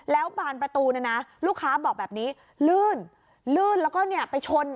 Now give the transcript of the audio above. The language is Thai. แล้วบานประตูลูกค้าบอกแบบนี้ลื่นแล้วก็ไปชน